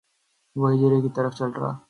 وہ حجرے کی طرف چل